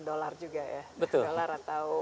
dollar juga ya betul dollar atau